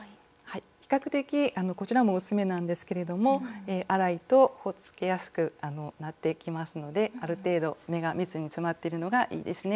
比較的こちらも薄めなんですけれども粗いとほつれやすくなっていきますのである程度目が密に詰まってるのがいいですね。